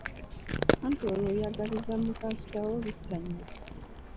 Anti lw'oyagaliza muka kitaawo lutta nnyoko.